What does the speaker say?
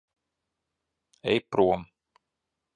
Ej prom.